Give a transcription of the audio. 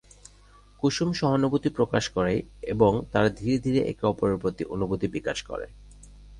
কুসুম সহানুভূতি প্রকাশ করে এবং তারা ধীরে ধীরে একে অপরের প্রতি অনুভূতি বিকাশ করে।